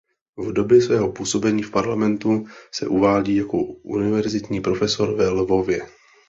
V době svého působení v parlamentu se uvádí jako univerzitní profesor ve Lvově.